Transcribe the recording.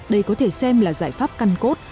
đây có thể xem là giải pháp căn cốt